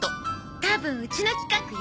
たぶんうちの近くよ。